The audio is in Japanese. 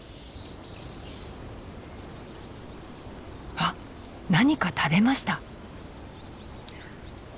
あっ何か食べました。